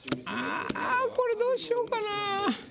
あぁこれどうしようかな。